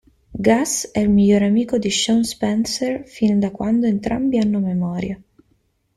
Gus è il migliore amico di Shawn Spencer fin da quando entrambi hanno memoria.